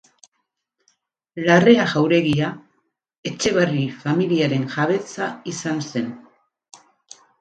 Larrea jauregia Etxabarri familiaren jabetza izan zen.